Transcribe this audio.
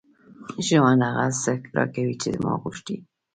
ژوند هغه څه راکوي چې ما غوښتي دي.